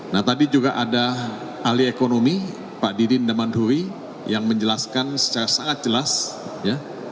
nah tadi juga ada ahli ekonomi pak didin demandhuri yang menjelaskan secara sangat jelas ya